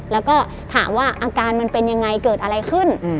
แล้วก็ถามว่าอาการมันเป็นยังไงเกิดอะไรขึ้น